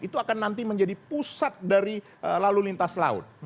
itu akan nanti menjadi pusat dari lalu lintas laut